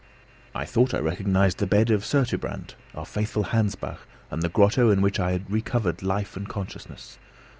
I thought I recognised the bed of surturbrand, our faithful Hansbach, and the grotto in which I had recovered life and consciousness.